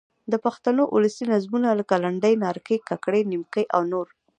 د پښتو اولسي نظمونه؛ لکه: لنډۍ، نارې، کاکړۍ، نیمکۍ او نور.